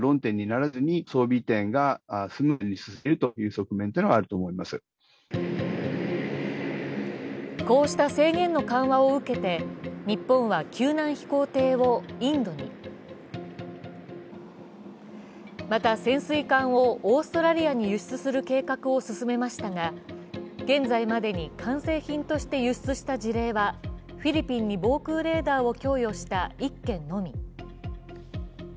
専門家はこうした制限の緩和を受けて日本は救難飛行艇をインドにまた潜水艦をオーストラリアに輸出する計画を進めましたが現在までに完成品として輸出した事例はフィリピンに防空レーダーを供与した１件のみ。